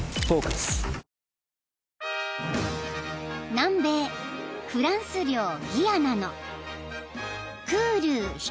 ［南米フランス領ギアナの］